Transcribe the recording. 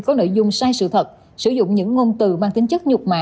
có nội dung sai sự thật sử dụng những ngôn từ mang tính chất nhục mã